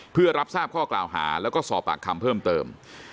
เพื่อรับทราบข้อกล่าวหาแล้วก็สอบปากคำเพิ่มเติม